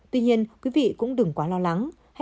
tuy nhiên quý vị cũng đừng quá lo lắng